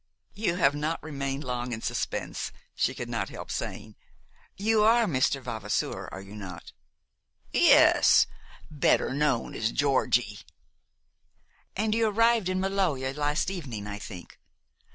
"You have not remained long in suspense," she could not help saying. "You are Mr. Vavasour, are you not?" "Yes, better known as Georgie." "And you arrived in Maloja last evening, I think.